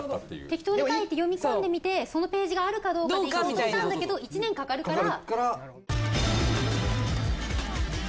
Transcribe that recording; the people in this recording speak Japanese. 適当に書いて読み込んでみてそのページがあるかどうかでいこうとしたんだけど１年かかるから。